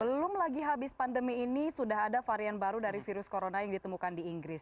belum lagi habis pandemi ini sudah ada varian baru dari virus corona yang ditemukan di inggris